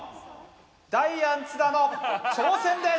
ダイアン・津田の挑戦です。